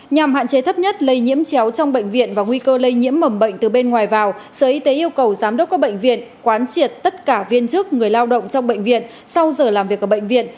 nhằm hạn chế thấp nhất lây nhiễm chéo trong bệnh viện và nguy cơ lây nhiễm mầm bệnh từ bên ngoài vào sở y tế yêu cầu giám đốc các bệnh viện quán triệt tất cả viên chức người lao động trong bệnh viện sau giờ làm việc ở bệnh viện